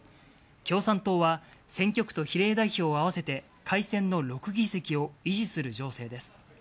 共産党は、選挙区と比例代表を合わせて改選の６議席を維持する情勢です。